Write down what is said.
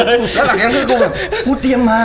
สมัครจะดูกูกูเตรียมมา